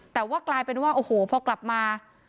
แต่ว่ากลายเป็นว่าโอ้โหพอกลับมา